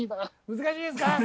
難しいですか？